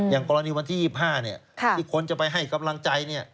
อย่างกรณีวันที่๒๕ที่คนจะไปให้กำลังใจ